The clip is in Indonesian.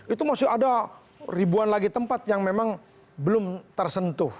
itu masih ada ribuan lagi tempat yang memang belum tersentuh